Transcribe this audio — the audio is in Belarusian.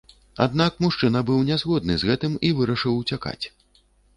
Аднак мужчына быў нязгодны з гэтым і вырашыў уцякаць.